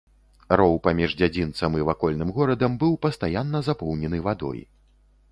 Роў паміж дзядзінцам і вакольным горадам быў пастаянна запоўнены вадой.